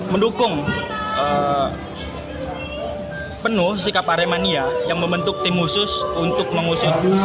mendukung penuh sikap aremania yang membentuk tim khusus untuk mengusut